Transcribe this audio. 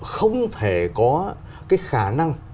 không thể có cái khả năng